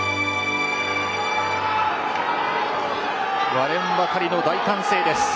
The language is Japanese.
割れんばかりの大歓声です。